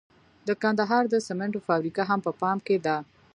د کندهار د سمنټو فابریکه هم په پام کې ده.